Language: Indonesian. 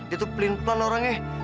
dia tuh pelin pelan orangnya